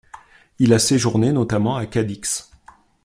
Il a séjourné notamment à Cadix.